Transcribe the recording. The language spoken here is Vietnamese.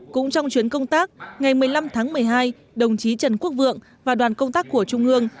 cũng trong chuyến công tác ngày một mươi năm tháng một mươi hai đồng chí trần quốc vượng và đoàn công tác của trung ương